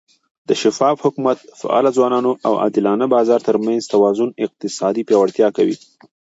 د شفاف حکومت، فعاله ځوانانو، او عادلانه بازار ترمنځ توازن اقتصاد پیاوړی کوي.